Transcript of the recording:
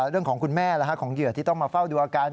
คุณแม่ของเหยื่อที่ต้องมาเฝ้าดูอาการ